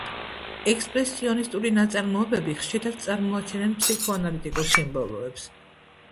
ექსპრესიონისტული ნაწარმოებები ხშირად წარმოაჩენენ ფსიქოანალიტიკურ სიმბოლოებს.